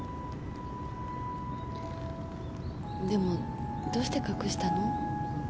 でもどうして隠したの？